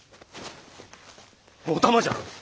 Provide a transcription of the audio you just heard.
お玉じゃろ！？